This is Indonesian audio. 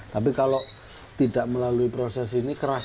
tapi kalau tidak melalui proses ini keras